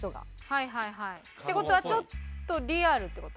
はいはいはい。って事はちょっとリアルって事？